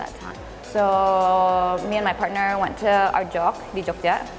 jadi saya dan pasangan saya pergi ke art jog di jogja